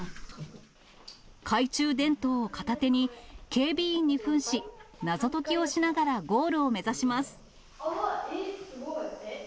懐中電灯を片手に、警備員にふんし、謎解きをしながらゴールを目指します。